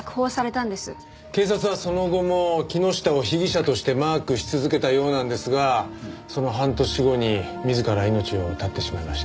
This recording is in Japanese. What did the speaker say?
警察はその後も木下を被疑者としてマークし続けたようなんですがその半年後に自ら命を絶ってしまいました。